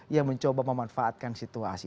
yang mencoba memanfaatkan situasi